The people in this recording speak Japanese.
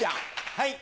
はい。